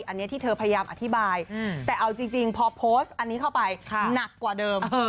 อันนี้ที่เธอพยายามอธิบายแต่เอาจริงพอโพสต์อันนี้เข้าไปหนักกว่าเดิม